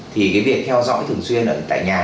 thì cái việc theo dõi thường xuyên ở tại nhà